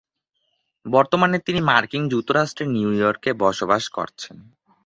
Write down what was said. বর্তমানে তিনি মার্কিন যুক্তরাষ্ট্রের নিউইয়র্কে বসবাস করছেন।